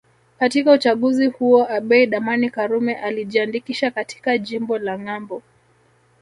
Katika uchaguzi huo Abeid Amani Karume alijiandikisha katika jimbo la Ngambo